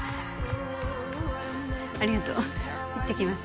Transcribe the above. ありがとう行ってきます。